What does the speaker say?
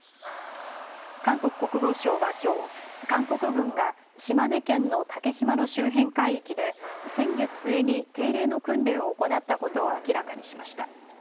韓国国防省はきょう韓国軍が島根県の竹島の周辺海域で先月末に定例の訓練を行ったことを明らかにしました。